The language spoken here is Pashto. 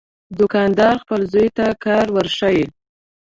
دوکاندار خپل زوی ته کار ورښيي.